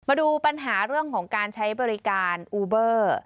มาดูปัญหาเรื่องของการใช้บริการอูเบอร์